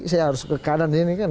saya harus ke kanan ini kan